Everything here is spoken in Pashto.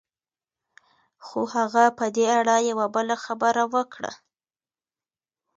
خو هغه په دې اړه يوه بله خبره وکړه.